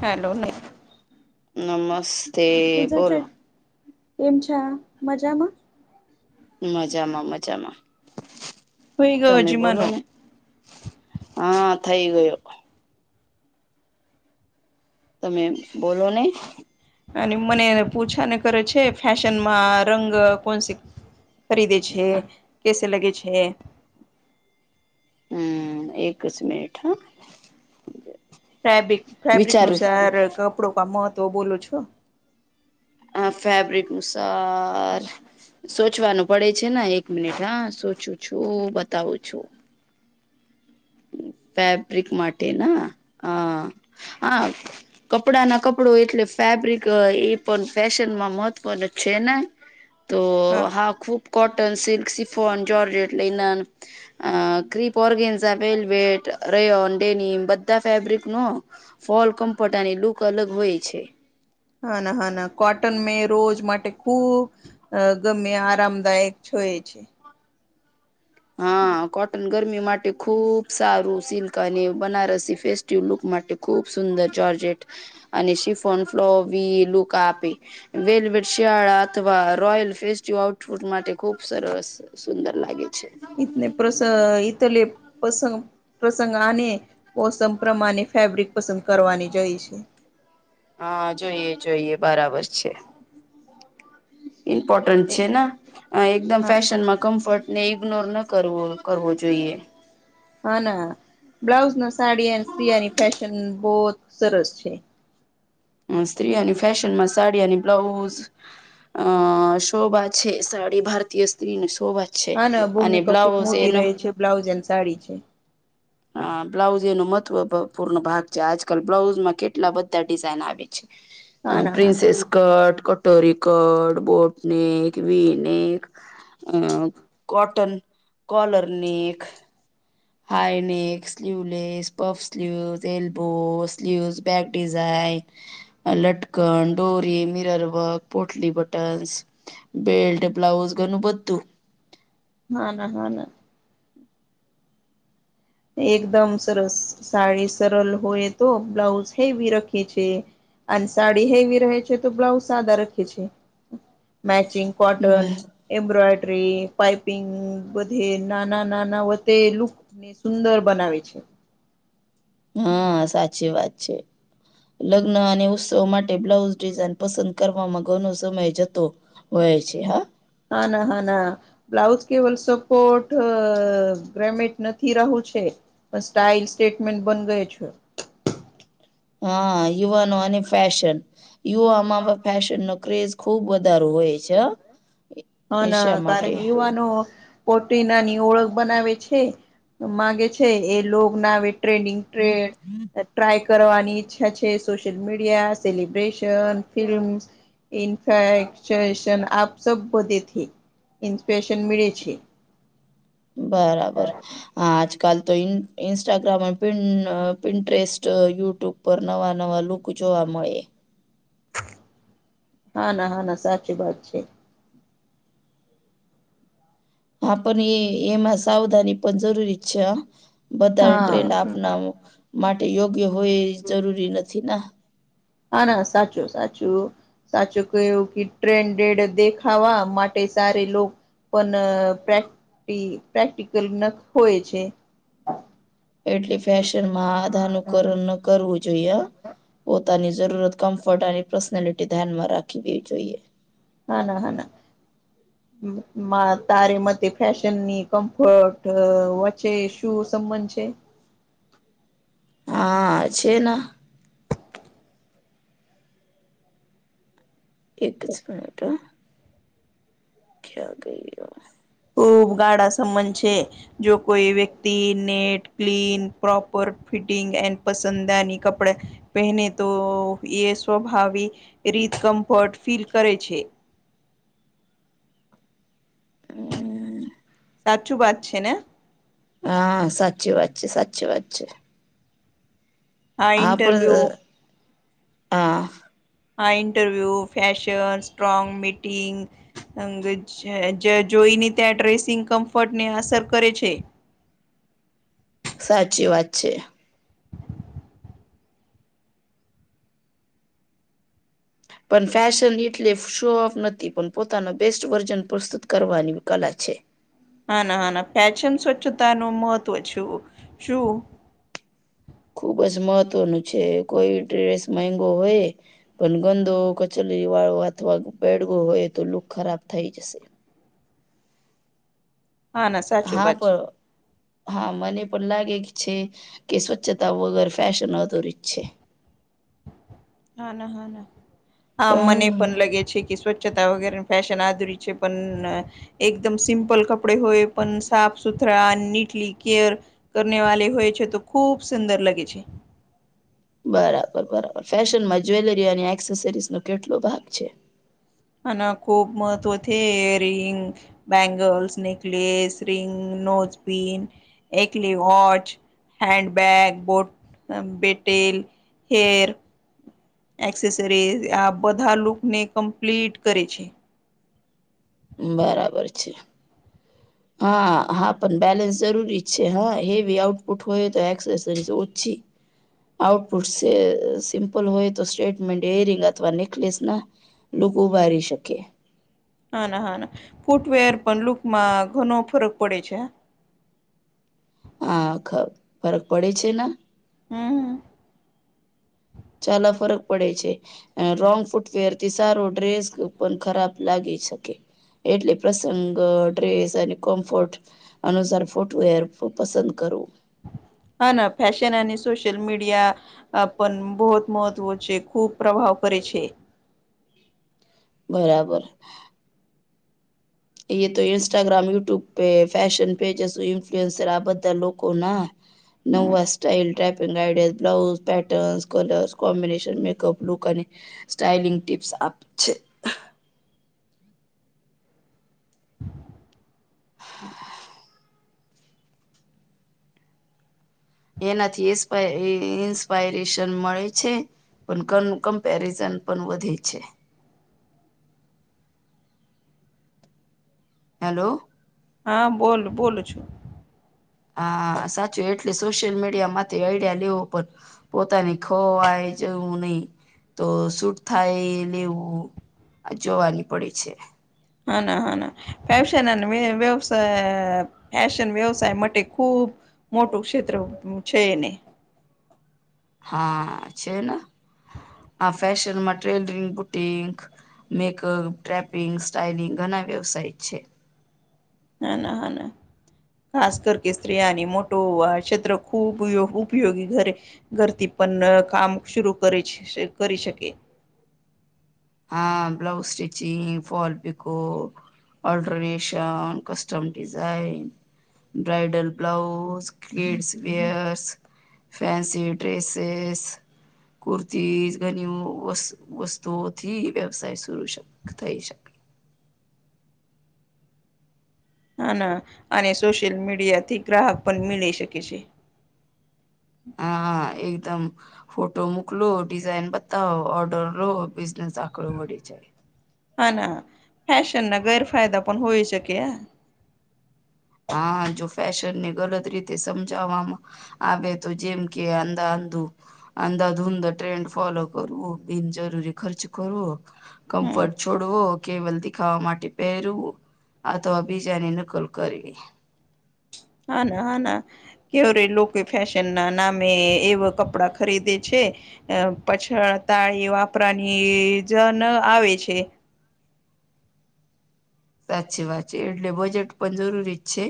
Hello નહી નમસ્ તુજા છે એમછો મજામાં. મજામાં મજામાં હોય ગયો તમે બોલો જીમાનો ને હા થઈ ગયો તમે બોલો ને અને મને પૂછા ને કરે છે ફેશનમાં રંગ કોણ સ ખરીદે છે કસ લગે છે હ એક જ મિનિટ હા ફેબ્રિક ફેબ્રિક વિચારું નુસાર કપડો ક મહત્વ બોલો છો ફેબ્રિકનું સાર સોચવાનું પડે છે ને એક મિનિટ હા સોચું છું બતાવું છું ફેબ્રિક માટે ના હા હા કપડા ના કપડો એટલે ફેબ્રિક એ પણ ફેશનમાં મહત્વ ન છે ને [unintelligible] તો હા ખૂબ cotton, silk, chiffon, georgette, linen crepe ઓર્ગે velvet, rayon, ડેન બધા ફેબ્રિક નો ફલ કમ્પોટની લુક અલગ હોય છે હા ના હા ના કોટન મેં રોજ માટે ખુબ અ ગમે આરામદાયક છોએ છે [inaudible] હા કોટન ગરમી માટે ખુબ સારું સિલ્ક અને બનારસી ફેસ્ટિવ લુક માટે ખૂબ સુંદર ચર્જેટ અને શિફોન ફ્લો બી લુક આપે વેલવેટ શિયાળા અથવા રોયલ ફે આઉટપુટ માટે ખુબ સરસ સુંદર લાગે છે તને પ્રસ તલે પસંગ પ્રસંગ અને મોસમ પ્રમાણે ફેબ્રિક પસંદ કરવાની જઈ છે હા જોઈએ જોઈએ બરાબર છે ઇમ્પોર્ટન્ટ એ છે ને એકદમ હા ફેશનમાં કમ્ફર્ટ ને ઇગ્નોર ન કરવો કરવો જોઈએ હા ના બ્લાઉઝ ના સાડી એ સ્તિયાની ફેશન બહ સરસ છે સ્ત્રીઓની ફેશન માં સાડીની બ્લાઉઝ અ શોભા છે સાડી ભારતીય સ્ત્રી ને શોભા છે હા ના અને ભૂમિકા ખુબ બ્લાઉઝ મોટી એનો રહે છે બ્લાઉઝ અને સાડી છે હા બ્લાઉઝ એનો મહત્વપૂર્ણ ભાગ છે આજકાલ બ્લાઉઝ માં કેટલા બધા ડિઝઇન આવે છે હા ના હા ના પ્રિન્સેસ કટ ટરીકડ, બોટનેક, વનેક અ cotton collar neck high neck, sleeveless, puff sleeves, elbow sleeves, back design લટકન, ડોરી, મિરર વર્ક, પોટલી બટન્સ બેલ્ટ બ્લાઉઝ ઘણું બધું હા ના હા ના એકદમ સરસ સાડી સરલ હોય તો બ્લાઉઝ હેવી રખે છે અને સાડી હેવી રહે છે તો બ્લાઉઝ સાદા રખે છે મેચિંગ કોટન બર એમ્બ્રોયડરી પાઈપિંગ બધે નાના નાના વે લુક ને સુંદર બનાવે છે હા સાચી વાત છે લગ્ન અને ઉત્સવ માટે બ્લાઉઝ ડિઝાઇન પસંદ કરવામાં ઘણો સમય જતો હો છે હા. હા ના હાના. બ્લાઉઝ કેવલ સપોટ ગ્રેમેટ નથી રહું છે. પણ સ્ટાઇલ સ્ટેટમેન્ટ બન ગયો છે. હા યુવાનો અને ફેશન યુવામાં ફેશન નો ક્રેઝ. ખુબ વધાર હોય છે એશિયા માટે. બનો. મોટી નાની ઓળખ બનાવે છે માંગે છે એ લોગ ને આવે ટ્રેડિંગ. [inaudible] ટ્રાય કરવાની ઈચ્છા છે સોશિયલ મીડિયા, સેલિબ્રેશન, ફિલ્મ્સ. ઇનફેક્શશન આપ સબ બધેથી ઈન્સ્પીરેશન મળે છે. બરાબર આજ- કાલ તો ઇન્સ્ટાગ્રામ અને પ્રિન્ટરેસ્ટ યુટ્યુબ પર નવા નવા લુક જો આમ એ હા ના હા ના સાચી વાત છે. હા પણ એ એમાં સાવધાની પણ જરૂરી જ છે હ બધા ટ્રેન્ડ હા આપના માટે યોગ્ય હોય એ જરૂરી નથી ના ના ના સાચું સાચું. સાચું કયુ કે ટ્રેન્ડેડ દેખાવા માટે સારે લો પણ પ્રક્ટિ પ્રેક્ટિકલ નખ હોય છે. એટલે ફેશનમાં આધાનુકરણ ન કરવું જોઈએ હ. પોતાની જરૂરત કમ્ફર્ટ અને પર્સનાલિટી ધ્યાનમાં રાખી દેવી જોઈએ. હા ના હ ના. તારે મતે ફેશન ની કમ્ફર્ટ વચ્ચે શું સંબંધ છે? હા છે ન એક જ મિનિટ હો. [unintelligible] ખૂબ ગાડા સંબંન છેે. જો કોઈ વ્યક્તિ નેટ ક્લીન પ્રોપર ફિટિંગ એ પસંદાની કપડા પહેને તો એ સ્વભાવી રીતે કમ્ફર્ટ ફીલ કરે છે. અ. સાચુ બાત છે ને? હા સાચી વાત છે સાચી વાત છે. આ ઇન્ટરવ્યુ હા પણ હ. હ ઇન્ટરવ્યુ ફેશન સ્ટ્રોંગ મીટિંગ. અંગ જોઈને ત્યાં ડ્રેસિંગ કમ્ફર્ટને અસર કરે છે. સાચી વાત છે. પણ ફેશન એટલે શો ઓફ નથી પણ પોતાનો બેસ્ટ વર્ઝન પ્રસ્તુત કરવાની કલા છે. હા ના હા ના ફેશન સ્વચ્છતા ન મહત્વ છે શું ખુબ જ મહત્વનું છે કોઈ ડ્રેસ મંઘો હોય પણ ગંદો કચરી વાળો અથવા બેડગો હોય તો લુક ખરાબ થઈ જશે. હા ના સાચું હા વાત છે પણ. હા મને પણ લાગે છે કે સ્વચ્છતા વગર ફેશન અધુરી જ છે. હા ના હા ના હા મને હમ પણ લાગે છે કે સ્વછ તા વગર ફશન આધુરી છે પણ એકદમ સિમ્પલ કપડે હોય પણ સાફ સુથરા અને નીટલી કેયર કરવા વાલે હોય છે તો ખુબ સુંદર લાગે છે. બરાબર બરાબર ફેશનમાં જ્વેલરી અને એક્સેસરીસ ન કેટલો ભાગ છે? હ ખૂબ મહત્વ છે earring bangles necklace ring nose pin એકલી વોચ. હેન્ડબ બેગ બોટ બેટલ હેર એક્સેસરીઝ આ બધા લુક ને કમ્પ્લીટ કરે છે. બરાબર છે. હા હા પણ બેલેન્સ જરૂરી છે હા હેવી આઉટપુટ હોય તો એક્સસરી ઓછી આઉટપુટ સિમ્પલ હોય તો સ્ટેટમેન્ટ યરરિંગ અથવા નેકલેસ ના લૂક ઉભારી શકે. હા ના હા ના ફૂટવેર પણ લુકમાં ઘણો ફરક પડે છે. હ ખ ફરક પડે છે ને હમ ચલા ફરક પડે છે. રોંગ ફૂટવેર થી સારો ડ્રેસ પણ ખરાબ લાગી શકે એટલે પ્રસંગ ડ્રેસ અને કોમ્ફર્ટ અનુસાર ફોટું હર પસંદ કરું. હા ના ફેશન અને સોશિલ મીડિયા પણ બહુત મહત્વ છે ખૂબ પ્રભાવ કરે છે. બરાબર. એ તો ઇન્સ્ટાગ્રામ યુટ્યુબ પે ફેશન પે જે ઇન્ફ્લુઅન્સર આ બધા લોકો ના નવવા style ટ્રેપિંગ idea blouse patterns colours combination makeup look અને સ્ટાઈલિંગ ટિપ્સ આપ છે. [unintelligible] એનાથી ઇન્પ ઇન્સ્પાયરેશન મળે છે. પણ કમ્પેરિઝન પણ વધે છે. હેલો હા બોલ બોલું છું. હા સાચું એટલે સોશિયલ મીડિયા માંથી આઈડિયા લેવો પણ પોતાની ખોવાય જવું નહી તો સુૂટ થાય લેવું જોવાની પડે છે. હા ના હા ના ફવશન વ્યવસાય ફેશન વ્યવસાય માટે ખુબ મોટું ક્ષેત્ર છે એને હા છે ને આ ફેશનમાં ટટેલરિંગ બુટંગ મેકઅપ ટ્રેપિંગ સ્ટાઈલિંગ ઘણા વ્યવસાય છે. ના ના હ ના. ખાસ કર સ્ત્રીિયાની મોટો ક્ષેત્ર ખૂબ ઉપયોગી ઘરે ઘરથી પણ કામ શરુ કરી કરી શકે હા blouse stitching fall pico alteration custom design bridal blouse kids wears fancy dresses kurti ઘણી વસ્ વસ્તુ થી વ્યવસાય થઈ શકે હ ના અને સોશિયલ મીડિયા થી ગ્રાહક પણ મેળ શકે છે. હા એકદમ ફોટો મોકલો ડિઝાઇન બતાવ ઓર્ડર લો બિઝનેસ આકળ મળી જાય. હા ના ફેશન ના ગેરફાયદા પણ હોઈ શકે હ હા જો ફેશન ને ગલત રીતે સમજાવવામાં આવે તો જેમ કે અંધા અંધુ અંધાધૂંધ ટ્રેન્ડ ફોલો કરવું બિનજરૂરી ખર્ચ કરું હમ કમ્ફર્ટ છોડવો કેવલ દીખાવા માટે પહેરવું અથવા બીજાની નકલ કરવી હના હના કેવરે લોકો ફેશન ના નામે એવા કપડાં ખરીદે છે. અ પછળ તાળી વાપરાની જન આવે છે. સાચી વાત છે એટલે બજેટ પણ જરૂરી જ છે.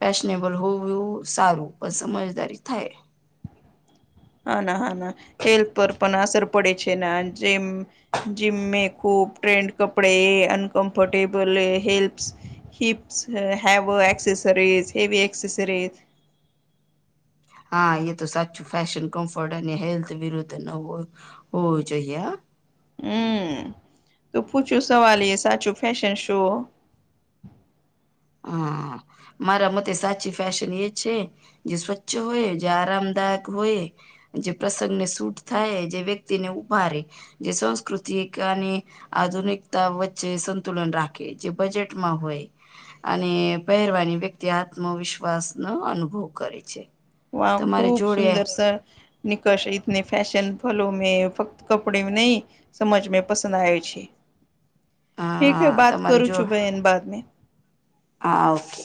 ફેશનેબલ હોવું એવું સારું પણ સમજદારી થાય. હા ના હા ના હેલ્થ પર પણ અસર પડે છે જેમ જીમ મે ખૂબ ટ્રેન્ડ કપડે uncomfortable helps hips have accessories heavy accessories હા એ તો સાચું ફેશન કમ્ફર્ટ અને હેલ્થ વિરુદ્ધ ન હોવું જોઈએ હમ તો પૂછુ સવાલ એ સાચું ફેશન શો હા મારા મતે સાચી ફેશન એ છે જે સ્વચ્છ હોય જે આરામદાયક હોય જે પ્રસંગને સૂટ થાય જે વ્યક્તિને ઉભાારે જે સંસ્કૃતિક અને આધુનિકતા વચ્ચે સંતુલન રાખે જે બજેટમાં હોય અને પહેરવાની વ્યક્તિ આત્મવિશ્વાસ નો અનુભવ કરે છે વા તમારે ખુબ જોડે સુંદરસર નિકષ એતને ફેશન ફલો મે ફક્ત કપડે નિઇ સમજ મે પસંદ આવેય છે ઠીક હે હા બાત તમારી કરું જો છું બહેન બાદ મે હા ઓકે